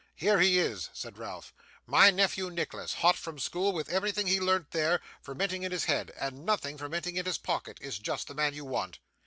'Here he is!' said Ralph. 'My nephew Nicholas, hot from school, with everything he learnt there, fermenting in his head, and nothing fermenting in his pocket, is just the man you want.